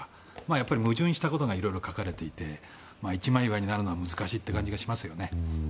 やっぱり矛盾したことが書かれていて一枚岩になることは難しい感じがしますね。